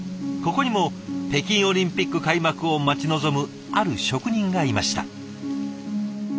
ここにも北京オリンピック開幕を待ち望むある職人がいました。